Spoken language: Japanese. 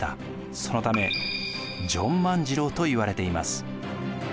そのためジョン万次郎といわれています。